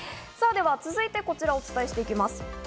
続いてこちらをお伝えしていきます。